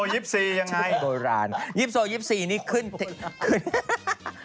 ยิบโซ๒๔ยังไงโดยราญยิบโซ๒๔นี่ขึ้นโอ้โฮ